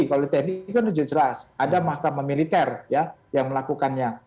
kalau tni kan ujur jelas ada mahkamah militer yang melakukannya